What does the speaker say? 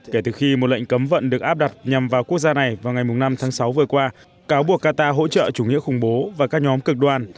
kể từ khi một lệnh cấm vận được áp đặt nhằm vào quốc gia này vào ngày năm tháng sáu vừa qua cáo buộc qatar hỗ trợ chủ nghĩa khủng bố và các nhóm cực đoan